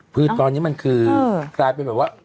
คือตอนนี้มันคือกลายเป็นแบบว่า